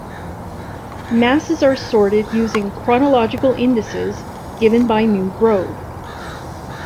Masses are sorted using chronological indices given by New Grove.